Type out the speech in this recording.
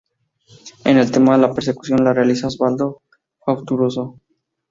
En el tema la percusión la realiza Osvaldo Fattoruso.